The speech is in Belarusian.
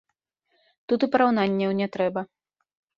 Тут і параўнанняў не трэба.